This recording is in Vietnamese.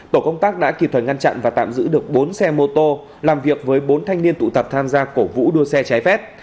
tổ công tác đã kịp thời ngăn chặn và tạm giữ được bốn xe mô tô làm việc với bốn thanh niên tụ tập tham gia cổ vũ đua xe trái phép